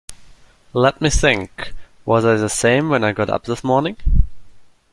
Let me think: was I the same when I got up this morning?